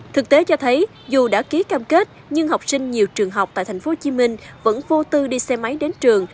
thực tế cho thấy dù đã ký cam kết nhưng học sinh nhiều trường học tại tp hcm vẫn vô tư đi xe máy đến trường